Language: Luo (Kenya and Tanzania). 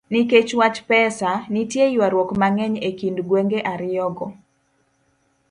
Nikech wach pesa, nitie ywaruok mang'eny e kind gwenge ariyogo